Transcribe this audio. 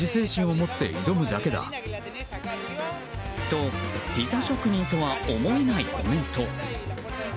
と、ピザ職人とは思えないコメント。